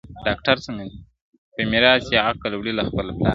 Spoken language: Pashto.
په میراث یې عقل وړی له خپل پلار وو.!